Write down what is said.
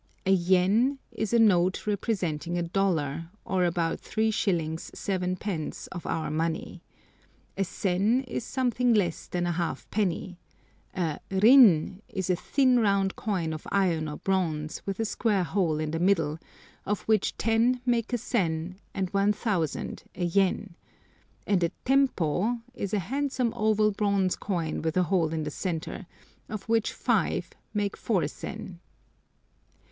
A yen is a note representing a dollar, or about 3s. 7d. of our money; a sen is something less than a halfpenny; a rin is a thin round coin of iron or bronze, with a square hole in the middle, of which 10 make a sen, and 1000 a yen; and a tempo is a handsome oval bronze coin with a hole in the centre, of which 5 make 4 sen.